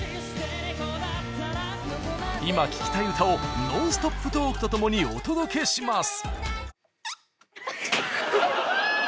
今聴きたい歌をノンストップトークとともにお届けします！